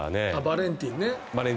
バレンティンね。